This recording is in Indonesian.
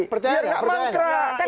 biar gak mangkrah